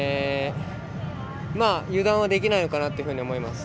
油断はできないのかなというふうに思います。